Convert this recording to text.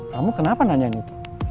kamu kenapa nanyain itu